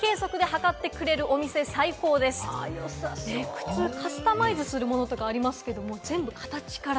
靴ってカスタマイズするものとかありますけれども、全部形から。